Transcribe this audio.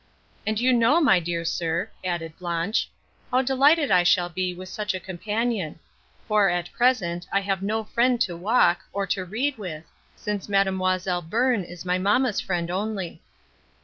"And you know, my dear sir," added Blanche, "how delighted I shall be with such a companion; for, at present, I have no friend to walk, or to read with, since Mademoiselle Bearn is my mamma's friend only."